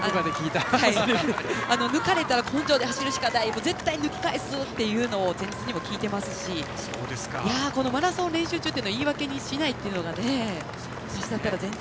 抜かれたら根性で走るしかない絶対に抜き返すというのを前日にも聞いていますしマラソン練習中を言い訳にしないというのがね。